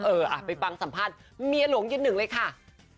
เอออ่ะไปฟังสัมภาษณ์เมียหลวงยืนหนึ่งเลยค่ะ